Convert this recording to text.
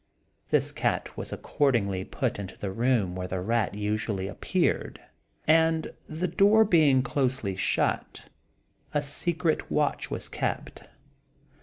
This cat was accordingly put into the room where the rat usually appeared; and, the door being closely shut, a secret watch was kept.